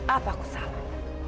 apa aku salah